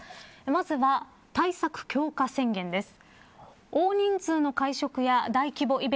まずは、対策強化宣言です。